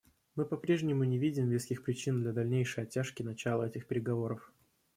Мы по-прежнему не видим веских причин для дальнейшей оттяжки начала этих переговоров.